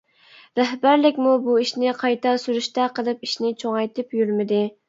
رەھبەرلىكمۇ بۇ ئىشنى قايتا سۈرۈشتە قىلىپ ئىشنى چوڭايتىپ يۈرمىدى.